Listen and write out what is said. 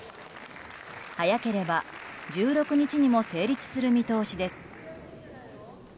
早ければ１６日にも成立する見通しです。